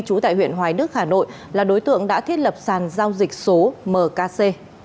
trú tại huyện hoài đức hà nội là đối tượng đã thiết lập sàn giao dịch số mkc